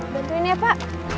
bantuin ya pak